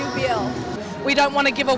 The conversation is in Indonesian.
seluruh negara akan menyertai kami